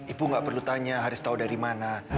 ibu nggak perlu tanya harus tahu dari mana